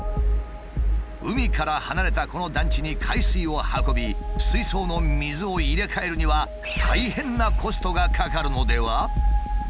海から離れたこの団地に海水を運び水槽の水を入れ替えるには大変なコストがかかるのでは？